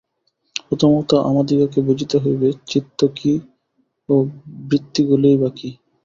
প্রথমত আমাদিগকে বুঝিতে হইবে, চিত্ত কি ও বৃত্তিগুলিই বা কি।